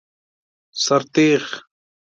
سر تیغ